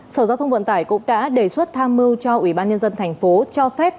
sở giao thông vận tải cũng đã đề xuất tham mưu cho ủy ban nhân dân thành phố cho phép